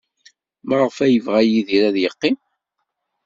Maɣef ay yebɣa Yidir ad yeqqim?